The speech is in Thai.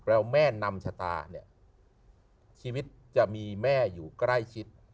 แล้วแม่นำชะตาเนี่ยชีวิตจะมีแม่อยู่ใกล้ชิด